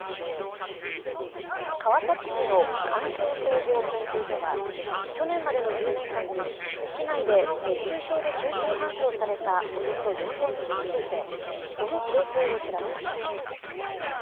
川崎市の環境総合研究所は去年までの１０年間に市内で熱中症で救急搬送されたおよそ４０００人についてその傾向を調べました。